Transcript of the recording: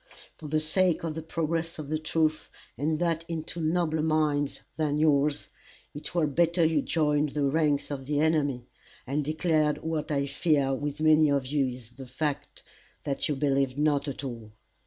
For the sake of the progress of the truth, and that into nobler minds than yours, it were better you joined the ranks of the enemy, and declared what I fear with many of you is the fact, that you believe not at all.